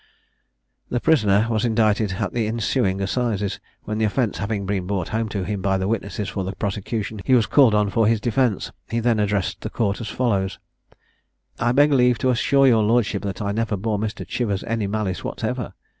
The prisoner was indicted at the ensuing assizes, when the offence having been brought home to him by the witnesses for the prosecution, he was called on for his defence. He then addressed the Court as follows: "I beg leave to assure your lordship that I never bore Mr. Chivers any malice whatever.